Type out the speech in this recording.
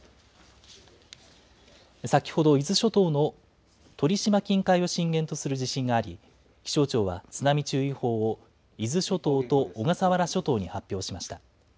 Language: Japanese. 先ほど、伊豆諸島の鳥島近海を震源とする地震があり、気象庁は津波注意報を伊豆諸島と小笠原諸島に発表しました。